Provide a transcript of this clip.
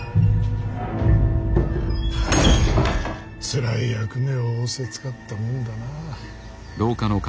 つらい役目を仰せつかったもんだな。